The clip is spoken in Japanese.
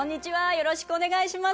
よろしくお願いします。